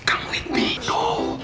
kamu yang pink